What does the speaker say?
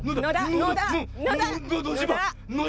のだ。